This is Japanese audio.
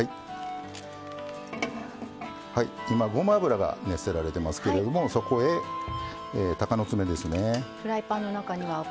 今ごま油が熱せられてますけれどもそこへたかの爪ですね。